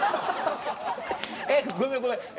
えっごめんごめん